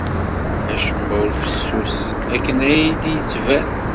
Acemma ur fessus akken ay d-yettban.